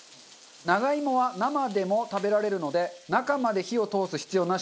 長芋は生でも食べられるので中まで火を通す必要なし。